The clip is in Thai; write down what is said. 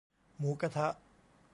หมูกะทะ